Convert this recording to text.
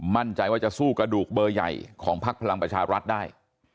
มั่นใจว่าจะสู้กระดูกเบอร์ใหญ่ของพักพลังประชารัฐได้